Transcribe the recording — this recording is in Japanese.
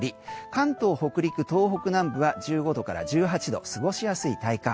関東、北陸、東北南部は１５度から１８度過ごしやすい体感。